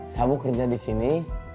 sahabu kerja di sini